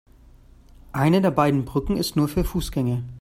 Eine der beiden Brücken ist nur für Fußgänger.